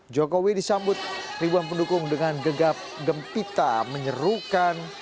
jokowi disambut ribuan pendukung dengan gegap gempita menyerukan